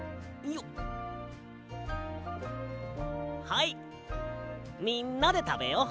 はいみんなでたべよう。